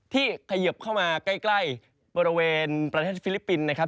เขยิบเข้ามาใกล้บริเวณประเทศฟิลิปปินส์นะครับ